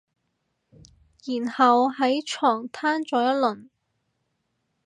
然後喺床攤咗一輪